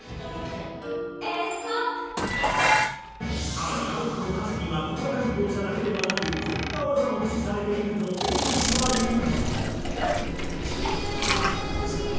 更にａｉｋｏの歌詞には細かい描写だけではなくこんな技も駆使されているとオーイシは言う。